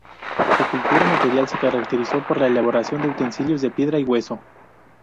Su cultura material se caracterizó por la elaboración de utensilios de piedra y hueso.